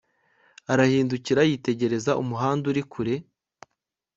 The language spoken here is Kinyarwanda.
arahindukira, yitegereza umuhanda uri kure